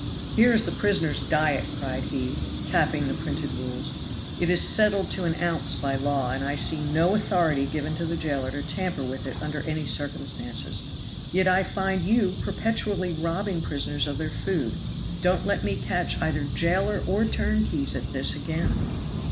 "Here is the prisoners' diet," cried he, tapping the printed rules; "it is settled to an ounce by law, and I see no authority given to the jailer to tamper with it under any circumstances. Yet I find you perpetually robbing prisoners of their food. Don't let me catch either jailer or turnkeys at this again.